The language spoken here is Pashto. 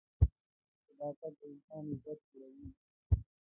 صداقت د انسان عزت لوړوي.